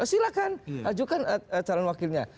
silahkan ajukan calon wakilnya